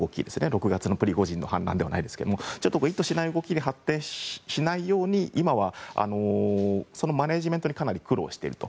６月のプリゴジンの反乱のようにちょっと意図しない動きに発展しないように今はそのマネジメントにかなり苦労していると。